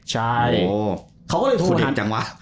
๑๙๙๗โหคุณดิบจังวะ